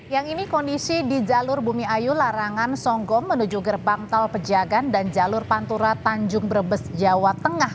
yang ini kondisi di jalur bumi ayu larangan songgom menuju gerbang tol pejagan dan jalur pantura tanjung brebes jawa tengah